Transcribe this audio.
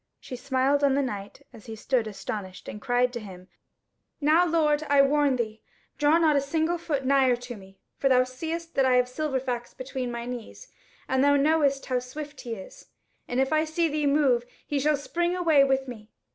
She smiled on the knight as he stood astonished, and cried to him; "Now, lord, I warn thee, draw not a single foot nigher to me; for thou seest that I have Silverfax between my knees, and thou knowest how swift he is, and if I see thee move, he shall spring away with me.